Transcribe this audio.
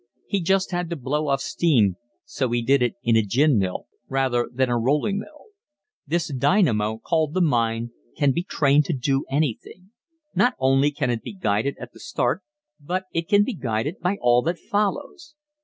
He just had to blow off steam so he did it in a gin mill rather than a rolling mill. This dynamo called the mind can be trained to do anything. Not only can it be guided at the start but it can be guided by all that follows.